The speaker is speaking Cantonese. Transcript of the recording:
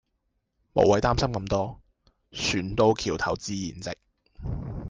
無謂擔心咁多船到橋頭自然直